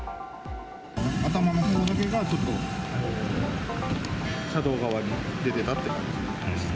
頭のほうだけが車道側に出てたって感じでした。